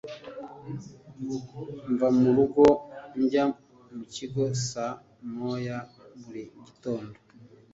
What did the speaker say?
Mva mu rugo njya mu kigo saa moya buri gitondo.